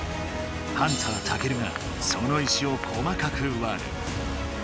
ハンターたけるがその石を細かくわる。